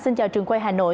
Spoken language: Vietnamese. xin chào trường quay hà nội